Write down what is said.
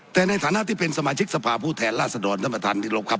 แต่ในฐานะที่เป็นสมาชิกสภาพผู้แทนราชดรท่านประธานที่รบครับ